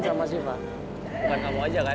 kangen sama siva bukan kamu aja kan